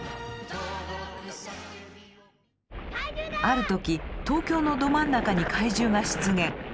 ある時東京のど真ん中に怪獣が出現。